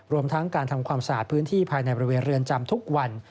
รวมทั้งการทำความสะอาดพื้นที่ภายในบริเวณเรือนจำทุกวัน